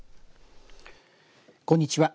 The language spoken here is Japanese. こんにちは。